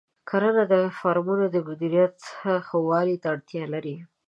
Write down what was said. کرنه د فارمونو د مدیریت ښه والي ته اړتیا لري.